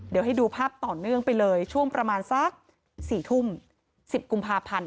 เดี๋ยวให้ดูภาพต่อเนื่องไปเลยช่วงประมาณสัก๔ทุ่ม๑๐กุมภาพันธ์